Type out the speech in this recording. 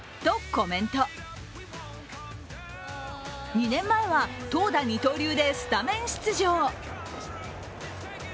２年前は、投打二刀流でスタメン出場。